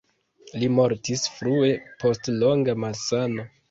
Li mortis frue post longa malsano.